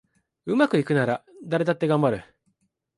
うまくいくなら誰だってがんばる